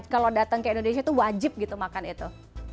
kalau datang ke indonesia itu wajib gitu makan itu